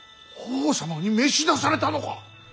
法皇様に召し出されたのか。